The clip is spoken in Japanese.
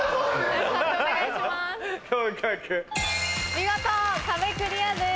見事壁クリアです。